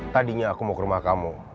tadinya aku mau ke rumah kamu